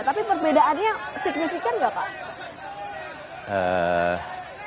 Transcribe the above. tapi perbedaannya signifikan nggak pak